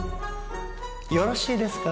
よろしいですか？